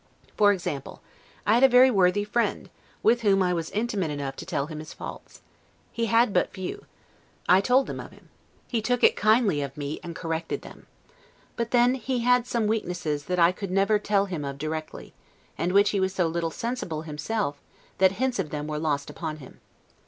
For example, I had a very worthy friend, with whom I was intimate enough to tell him his faults; he had but few; I told him of them; he took it kindly of me, and corrected them. But then, he had some weaknesses that I could never tell him of directly, and which he was so little sensible of himself, that hints of them were lost upon him.